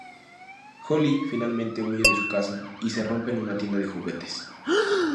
Ollie finalmente huye de su casa y se rompe en una tienda de juguetes.